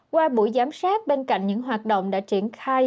qua buổi giám sát bên cạnh những hoạt động đã triển khai